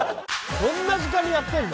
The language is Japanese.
こんな時間にやってんの？